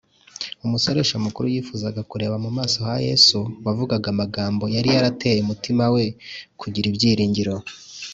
umusoresha mukuru yifuzaga kureba mu maso ha yesu wavugaga amagambo yari yarateye umutima we kugira ibyiringiro